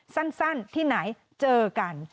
สั้นที่ไหนเจอกัน